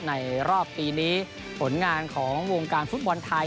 ในรอบปีนี้ผลงานของวงการฟุตบอลไทย